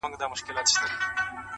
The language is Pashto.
لمبو وهلی سوځولی چنار!.